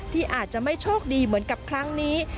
ที่อาจจะไม่โชคดีเหมือนกับครั้งนี้